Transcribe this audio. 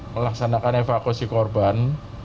melaksanakan evakuasi korban